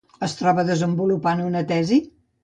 Es troba desenvolupant una tesi?